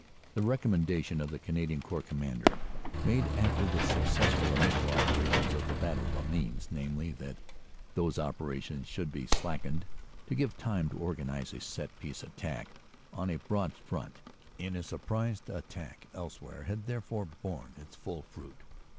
The recommendation of the Canadian Corps Commander made after the successful initial operations of the Battle of Amiens, namely, that those operations should be slackened to give time to organize a set piece attack on a broad front in a surprise attack elsewhere, had therefore borne its full fruit.